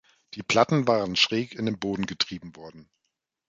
Die Platten waren schräg in den Boden getrieben worden.